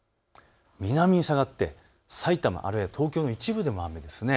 南へ下がってさいたまあるいは東京の一部でも雨です。